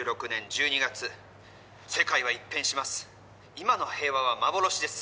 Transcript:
今の平和は幻です